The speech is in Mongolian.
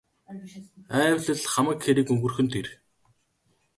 Айвал л хамаг хэрэг өнгөрөх нь тэр.